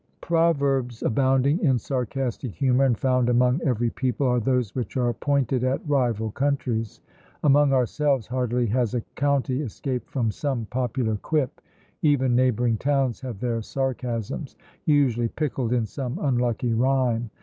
Proverbs abounding in sarcastic humour, and found among every people, are those which are pointed at rival countries. Among ourselves, hardly has a county escaped from some popular quip; even neighbouring towns have their sarcasms, usually pickled in some unlucky rhyme.